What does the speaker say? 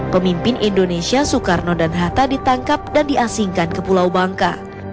pemimpin indonesia soekarno dan hatta ditangkap dan diasingkan ke pulau bangka